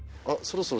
あ